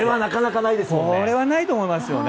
これはないと思いますよね。